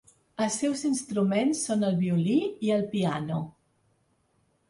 Els seus instruments són el violí i el piano.